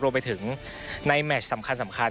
รวมไปถึงในแมชสำคัญ